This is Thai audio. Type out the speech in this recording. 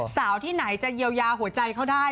ที่ไหนจะเยียวยาหัวใจเขาได้